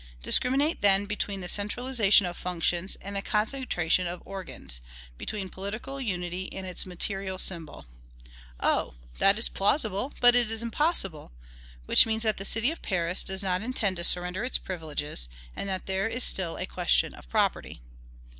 Discriminate, then, between the centralization of functions and the concentration of organs; between political unity and its material symbol. "Oh! that is plausible; but it is impossible!" which means that the city of Paris does not intend to surrender its privileges, and that there it is still a question of property.